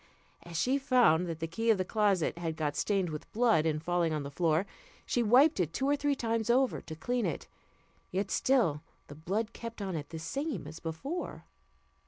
As she found that the key of the closet had got stained with blood in falling on the floor, she wiped it two or three times over to clean it; yet still the blood kept on it the same as before.